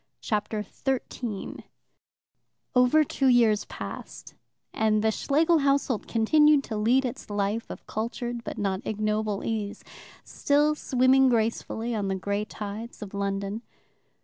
Chapter 13 Over two years passed, and the Schlegel household continued to lead its life of cultured but not ignoble ease, still swimming gracefully on the grey tides of London.